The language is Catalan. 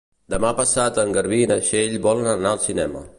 Demà passat en Garbí i na Txell volen anar al cinema.